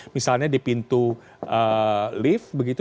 misalnya di pintu lift